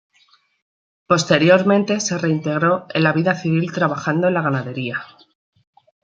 Posteriormente se reintegró en la vida civil trabajando en la ganadería.